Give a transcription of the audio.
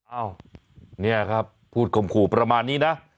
อ้าวนี่ครับพูดข่มขู่ประมาณนี้นะ